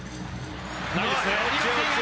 ないですね。